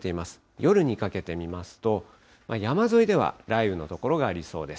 夜にかけて見ますと、山沿いでは雷雨の所がありそうです。